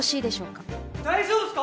大丈夫すか？